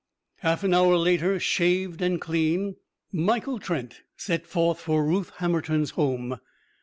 Half an hour later, shaved and clean, Michael Trent set forth for Ruth Hammerton's home.